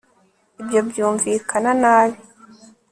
ibyo byumvikana nabi